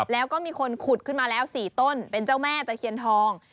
แล้วก็มีคนขุดขึ้นมาแล้ว๔ต้นเป็นเจ้าแม่ตะเคียนทอง